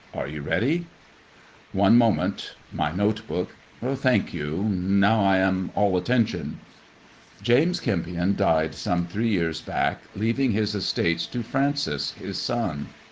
Are you ready ]" "One moment; my note book. Thank you I Now I am all attention." "James Kempion died some three years back, leaving his estates to Francis his son.